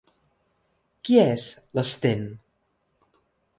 Qui és l'Sten?